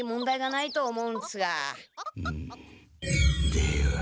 では！